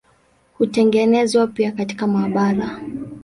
Hutengenezwa pia katika maabara.